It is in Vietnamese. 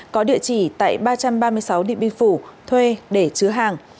có địa chỉ tại ba trăm ba mươi sáu địa bình phủ thuê để chứa hàng